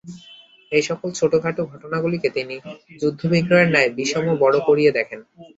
এই সকল ছোটোখাটো ঘটনাগুলিকে তিনি যুদ্ধবিগ্রহের ন্যায় বিষম বড়ো করিয়া দেখেন।